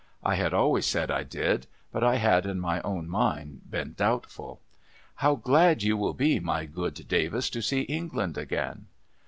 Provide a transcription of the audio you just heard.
I had always said I did ; but, I had in my own mind been doubtful. ' How glad you will be, my good Davis, to see England again